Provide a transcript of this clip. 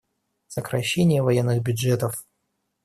Сокращение военных бюджетов.